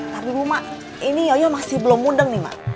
tapi bu mak ini yoyo masih belum mundeng nih mak